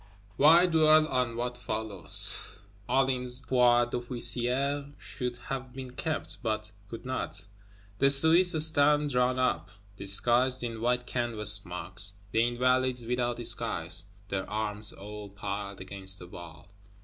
Why dwell on what follows? Hulin's foi d'officier should have been kept, but could not. The Swiss stand drawn up, disguised in white canvas smocks; the Invalides without disguise, their arms all piled against the wall.